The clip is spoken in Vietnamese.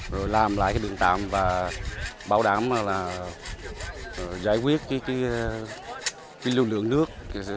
rồi làm lại cái đường tạm và bảo đảm là giải quyết cái lưu lượng nước